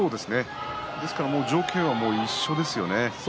ですから条件は一緒ですよね。